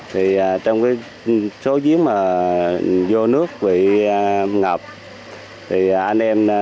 thì trong cái số giếng mà vô nước bị ngập thì anh em